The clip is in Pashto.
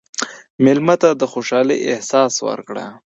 مېلمه ته د خوشحالۍ احساس ورکړه.